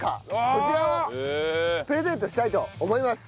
こちらをプレゼントしたいと思います。